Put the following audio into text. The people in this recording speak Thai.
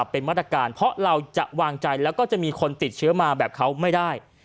เป็นมาตรการเพราะเราจะวางใจแล้วก็จะมีคนติดเชื้อมาแบบเขาไม่ได้